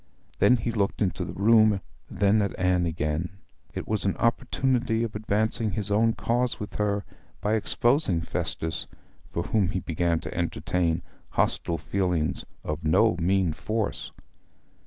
Then he looked into the room, then at Anne again. It was an opportunity of advancing his own cause with her by exposing Festus, for whom he began to entertain hostile feelings of no mean force.